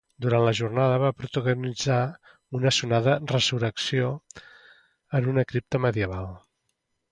Durant la jornada va protagonitzar una sonada ‘resurrecció’ en una cripta medieval.